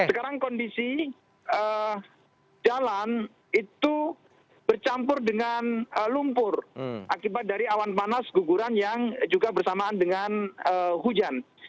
sekarang kondisi jalan itu bercampur dengan lumpur akibat dari awan panas guguran yang juga bersamaan dengan hujan